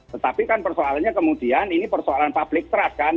tetapi kan persoalannya kemudian ini persoalan publik terat kan